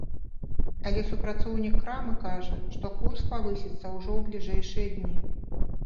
Але супрацоўнік крамы кажа, што курс павысіцца ўжо ў бліжэйшыя дні.